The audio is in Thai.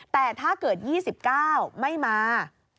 แต่ถ้าเกิด๒๙ไม่มา